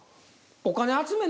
お金集める。